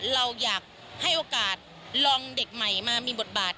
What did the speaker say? เราอยากให้โอกาสลองเด็กใหม่มามีบทบาท